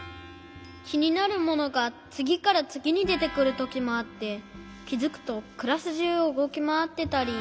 きになるものがつぎからつぎにでてくるときもあってきづくとクラスじゅうをうごきまわってたり。